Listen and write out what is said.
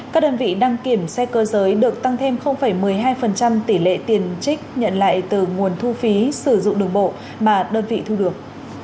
các đơn vị đăng kiểm xe cơ giới được tăng thêm một mươi hai tỷ lệ tiền trích nhận lại từ nguồn thu phí sử dụng đường bộ mà đơn vị thu được